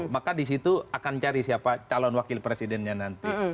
maka disitu akan cari siapa calon wakil presidennya nanti